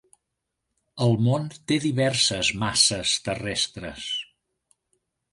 El món té diverses masses terrestres.